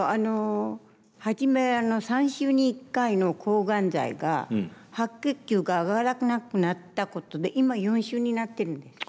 初め３週に１回の抗がん剤が白血球が上がらなくなったことで今４週になってるんです。